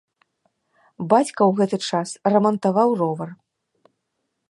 Бацька ў гэты час рамантаваў ровар.